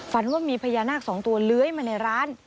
ฝันว่ามีพญานาค๒ตัวเล้ยมาในร้าน